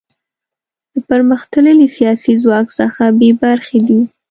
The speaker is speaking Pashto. له پرمختللي سیاسي ځواک څخه بې برخې دي.